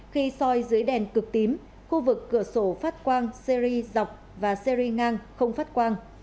khi soi dưới đèn cực tím khu vực cửa sổ phát quang series dọc và series ngang không phát quang